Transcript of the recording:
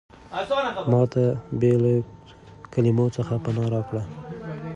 ما ته بې له کلمو څخه پناه راکړه.